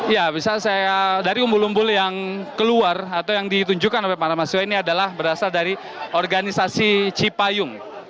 ya bisa saya dari umbul umbul yang keluar atau yang ditunjukkan oleh para mahasiswa ini adalah berasal dari organisasi cipayung